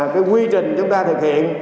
cái quy trình chúng ta thực hiện